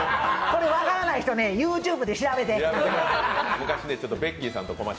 これ分からない人ね、ＹｏｕＴｕｂｅで調べて。